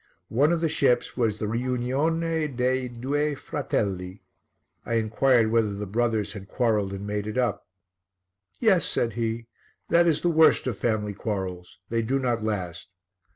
One of the ships was the Riunione dei due Fratelli. I inquired whether the brothers had quarrelled and made it up. "Yes," said he, "that is the worst of family quarrels; they do not last."